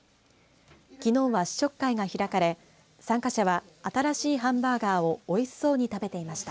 きのうは試食会が開かれ参加者は新しいハンバーガーをおいしそうに食べていました。